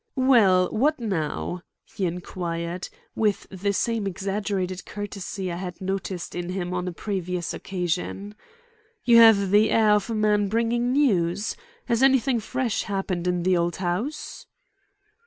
"Well, what now?" he inquired, with the same exaggerated courtesy I had noticed in him on a previous occasion. "You have the air of a man bringing news. Has anything fresh happened in the old house?"